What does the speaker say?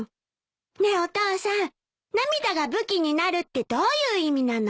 ねえお父さん涙が武器になるってどういう意味なの？